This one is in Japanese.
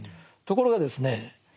ところがですね